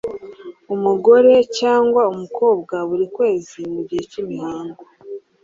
Umugore cg umukobwa buri kwezi mu gihe cy'imihango